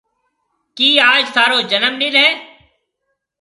ڪِي آج ٿارو جنم ڏن هيَ؟